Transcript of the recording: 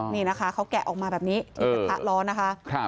นี่นะคะเขาแกะออกมาแบบนี้ล้อนะคะ